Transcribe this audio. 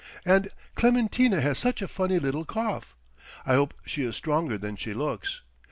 And Clementina has such a funny little cough. I hope she is stronger than she looks.